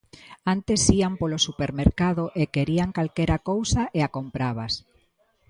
Antes ían polo supermercado e querían calquera cousa e a comprabas.